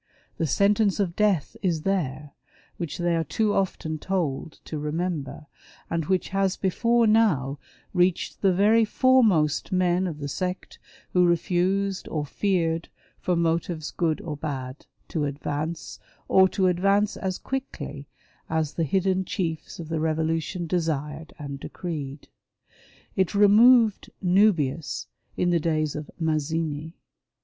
The sentence of death is there, which they are too often told to remember, and which has before now reached the very foremost men of the sect who refused, or feared, for motives good or bad, to advance, or to advance as quickly as the hidden chiefs of the Revolution desired and decreed. It '' removed " Nuhius in the days of Mazzini.